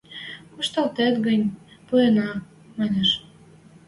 – Кушталтет гӹнь, пуэнӓ, – манеш.